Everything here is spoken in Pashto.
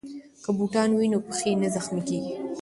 که بوټان وي نو پښې نه زخمي کیږي.